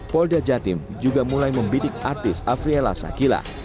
polda jatim juga mulai membidik artis afriela sakila